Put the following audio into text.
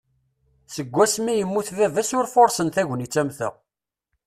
Seg wasmi i yemmut baba-s ur fursen tagnit am ta.